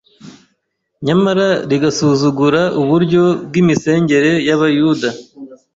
nyamara rigasuzugura uburyo bw’imisengere y’Abayuda,